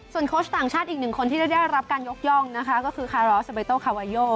โค้ชต่างชาติอีกหนึ่งคนที่ได้รับการยกย่องนะคะก็คือคารอสเบโตคาวาโย